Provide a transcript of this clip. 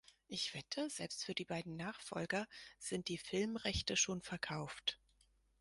Ich wette, selbst für die beiden Nachfolger sind die Filmrechte schon verkauft.